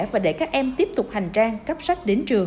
và để các em tiếp tục hành trang cấp sách đến trường